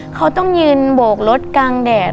เขาต้องยืนโบกรถกลางแดด